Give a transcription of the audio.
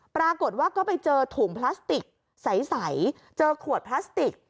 ปรากฏว่าก็ไปเจอถุงพลาสติกใสเจอขวดพลาสติก